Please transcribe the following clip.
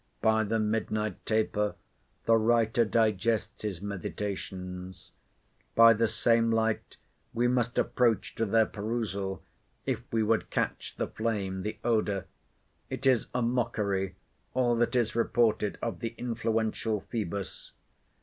By the midnight taper, the writer digests his meditations. By the same light, we must approach to their perusal, if we would catch the flame, the odour. It is a mockery, all that is reported of the influential Phoebus.